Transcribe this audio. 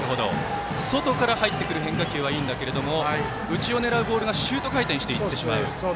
外から入ってくる変化球はいいんだけれども内を狙うボールがシュート回転してしまう。